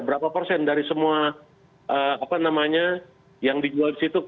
berapa persen dari semua apa namanya yang dijual di situ